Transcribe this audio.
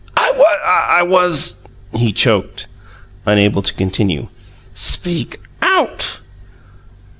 "I was " He choked, unable to continue. "Speak out!"